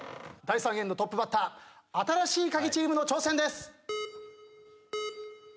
第３エンドトップバッター新しいカギチームの挑戦です。